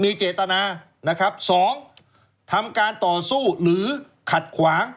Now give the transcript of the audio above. มีเจตนา๒ทำการต่อสู้หรือขัดขวาง